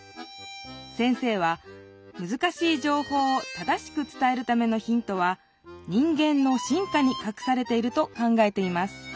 先生はむずかしいじょうほうを正しく伝えるためのヒントは人間の進化にかくされていると考えています